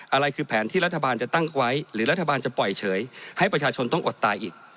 อะไรคือแผนที่รัฐบาลจะตั้งไว้หรือรัฐบาลจะปล่อยเฉยให้ประชาชนต้องอดตายอีก